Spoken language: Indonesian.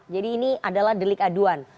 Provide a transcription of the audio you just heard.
jadi ini adalah delik aduan